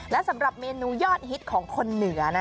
และสำหรับเมนูยอดฮิตของคนเหนือนะ